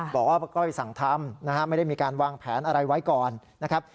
บอกว่าป้าก้อยสั่งทำนะฮะไม่ได้มีการวางแผนอะไรไว้ก่อนนะครับ